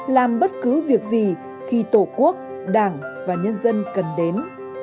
làm bất cứ việc gì khi tổ quốc đảng và nhân dân cần đến